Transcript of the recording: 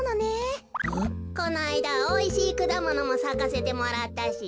このあいだおいしいくだものもさかせてもらったし。